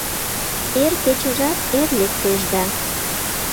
Эр кечыжат эр лектеш да